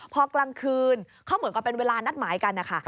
พอกลางคืนเขาเหมือนกับเป็นเวลานัดหมายกันนะคะ